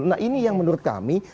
nah ini yang menurut kami